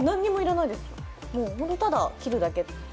何もいらないです、ただ切るだけ。